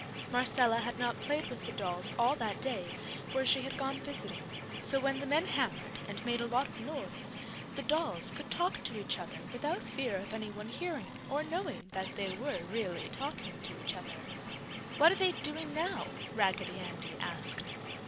Marcella had not played with the dolls all that day, for she had gone visiting; so when the men hammered and made a lot of noise, the dolls could talk to each other without fear of anyone hearing or knowing they were really talking to each other. "What are they doing now?" Raggedy Andy asked.